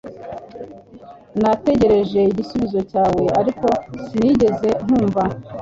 Nategereje igisubizo cyawe ariko sinigeze nkumva